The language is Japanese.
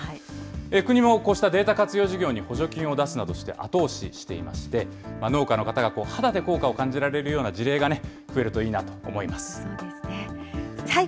国もこうしたデータ活用事業に補助金を出すなどして、後押ししていまして、農家の方が肌で効果を感じられるような事例がね、増えるといいなと思います。